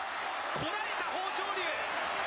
こらえた豊昇龍。